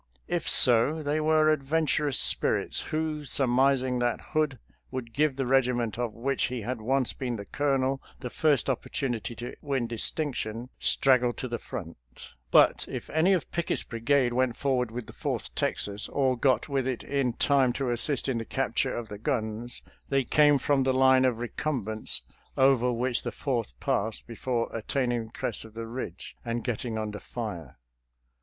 If so, they were adventurous spirits who, surmising that Hood would give the regiment of which he had once been the colonel the first opportunity to win distinction, strag gled to the front. 316 SOLDIER'S LETTERS TO CHARMING NELLIE But if any of Pickett's brigade went forward with the Fourth Texas, or got with it in time to assist in the capture of the guns, they came from the line of recumbents over which the Fourth passed before attaining the crest of the ridge and getting under fire.